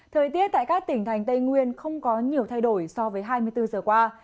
thời tiết tại các tỉnh thành tây nguyên không có nhiều thay đổi so với hai mươi bốn giờ qua